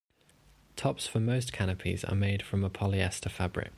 Tops for most canopies are made from a polyester fabric.